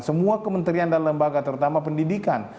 semua kementerian dan lembaga terutama pendidikan